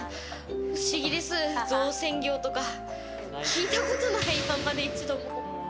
不思議です、造船業とか聞いたことない、今まで一度も。